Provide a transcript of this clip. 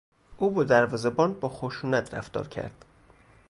او با دروازهبان با خشونت رفتار کرد.